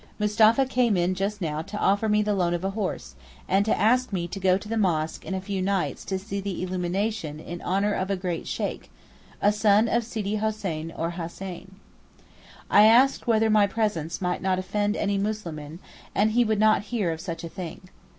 Mustapha came in just now to offer me the loan of a horse, and to ask me to go to the mosque in a few nights to see the illumination in honour of a great Sheykh, a son of Sidi Hosseyn or Hassan. I asked whether my presence might not offend any Muslimeen, and he would not hear of such a thing.